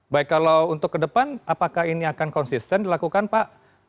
baik kalau untuk ke depan apakah ini akan konsisten dilakukan pak